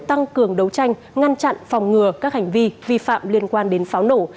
tăng cường đấu tranh ngăn chặn phòng ngừa các hành vi vi phạm liên quan đến pháo nổ